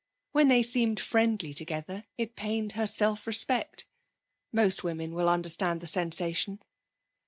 When they seemed friendly together it pained her self respect. Most women will understand the sensation.